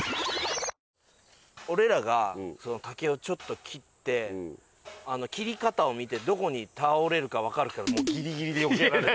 俺らが竹をちょっと切って切り方を見てどこに倒れるかわかるからギリギリでよけられる。